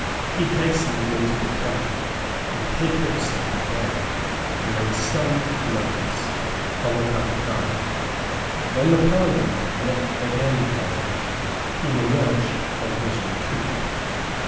He hastened into the country, and hid himself there, during some months, from the public eye. When the Parliament met again, however, he emerged from his retreat.